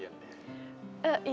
kayaknya gak jadi datang lain